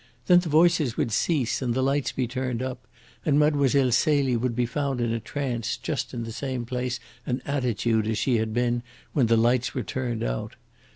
Then the voices would cease and the lights be turned up, and Mlle. Celie would be found in a trance just in the same place and attitude as she had been when the lights were turned out.